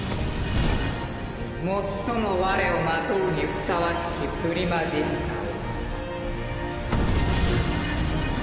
もっとも我をまとうにふさわしきプリマジスタを。